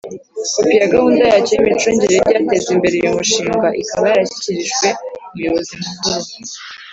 kopi ya gahunda yacyo y imicungire y ibyateza imbere uyu mushinga, ikaba yarashyikirijwe umuyobozi mukuru.